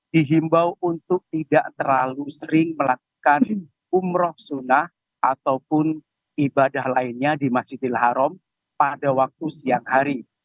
dihimbau untuk tidak terlalu sering melakukan umroh sunnah ataupun ibadah lainnya di masjidil haram pada waktu siang hari